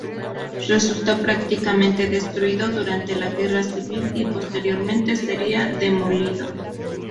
Resultó prácticamente destruido durante la Guerra Civil y posteriormente sería demolido.